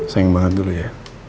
sayang banget dulu ya